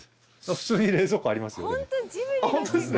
普通に冷蔵庫ありますよ。